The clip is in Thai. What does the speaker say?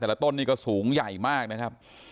แต่ละต้นนี้ก็สูงใหญ่มากนะครับ